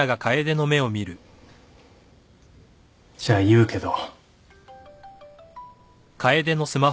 じゃあ言うけど。